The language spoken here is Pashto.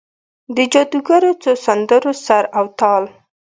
د جادوګرو څو سندرو سر او تال،